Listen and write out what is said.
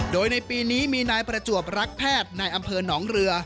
โดยในปีนี้มีนายประจวบรักแพทย์ในอำเภอหนองเรือ